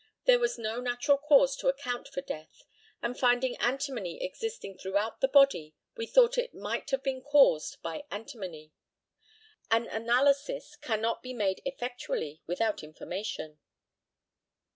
There was no natural cause to account for death, and finding antimony existing throughout the body, we thought it might have been caused by antimony. An analysis cannot be made effectually without information.